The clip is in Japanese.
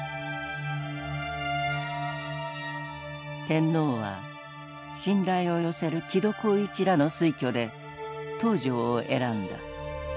天皇は信頼を寄せる木戸幸一らの推挙で東條を選んだ。